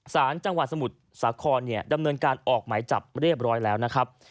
สารจังหวัดสมุทรสาครเนี่ยดำเนินการออกหมายจับเรียบร้อยแล้วนะครับ